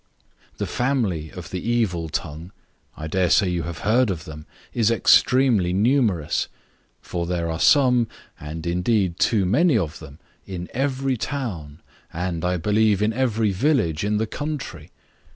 The family of the Eviltongue, (I dare say you have heard of them) is extremely numerous; for there are some, and indeed too many of them, in every town, and, I believe in every village in the country.